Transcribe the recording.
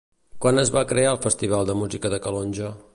Quan es va crear el Festival de Música de Calonge?